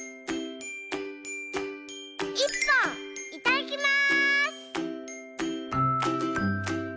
一本いただきます！